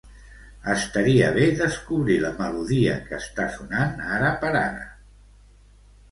Estaria bé descobrir la melodia que està sonant ara per ara.